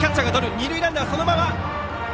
二塁ランナーは、そのまま。